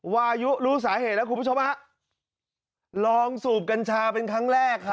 วายุรู้สาเหตุแล้วคุณผู้ชมฮะลองสูบกัญชาเป็นครั้งแรกฮะ